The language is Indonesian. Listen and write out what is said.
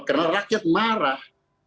karena rakyat marah